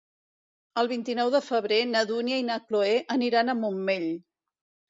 El vint-i-nou de febrer na Dúnia i na Cloè aniran al Montmell.